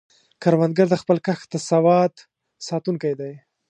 کروندګر د خپل کښت د سواد ساتونکی دی